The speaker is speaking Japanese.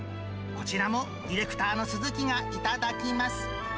こちらもディレクターのすずきが頂きます。